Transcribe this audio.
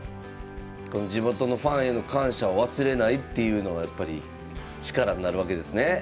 地元のファンへの感謝を忘れないっていうのがやっぱり力になるわけですね。